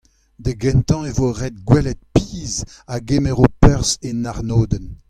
da gentañ e vo ret gwelet piz a gemero perzh en arnodenn.